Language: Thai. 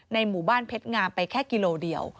หมู่บ้านเพชรงามไปแค่กิโลเดียว